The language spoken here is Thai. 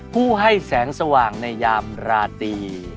ผู้ให้แสงสว่างในยามราตรี